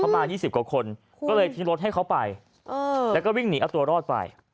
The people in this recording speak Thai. มา๒๐กว่าคนก็เลยทิ้งรถให้เขาไปแล้วก็วิ่งหนีเอาตัวรอดไป